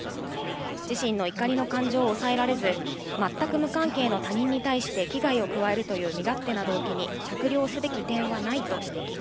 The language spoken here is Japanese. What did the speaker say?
自身の怒りの感情を抑えられず、全く無関係の他人に対して危害を加えるという、身勝手な動機に酌量すべき点はないと指摘。